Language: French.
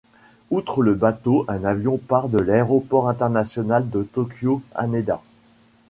Outre le bateau, un avion part de l'Aéroport international de Tokyo Haneda.